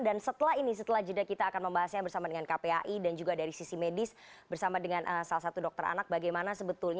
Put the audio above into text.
dan setelah ini setelah jadinya kita akan membahasnya bersama dengan kpai dan juga dari sisi medis bersama dengan salah satu dokter anak bagaimana sebetulnya